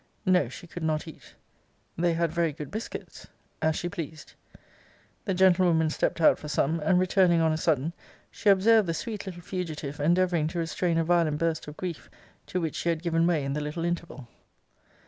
'No. She could not eat. 'They had very good biscuits. 'As she pleased. 'The gentlewoman stept out for some, and returning on a sudden, she observed the sweet little fugitive endeavouring to restrain a violent burst of grief to which she had given way in the little interval.